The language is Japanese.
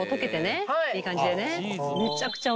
いい感じでね。